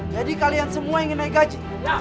jadi kalian semua ingin naik gaji